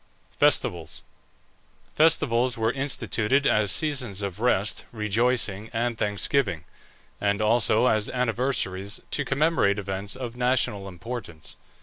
FESTIVALS. Festivals were instituted as seasons of rest, rejoicing, and thanksgiving, and also as anniversaries to commemorate events of national importance.